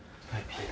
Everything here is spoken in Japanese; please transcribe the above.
はい。